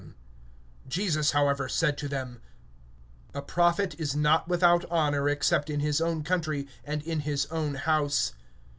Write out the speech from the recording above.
But Jesus said to them: A prophet is not without honor, save in his own country, and in his own house.